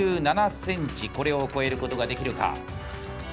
これを超えることができるか？